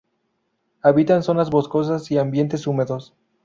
Habita en zonas boscosas y ambientes húmedos.